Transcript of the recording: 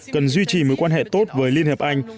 cần duy trì mối quan hệ tốt với liên hiệp anh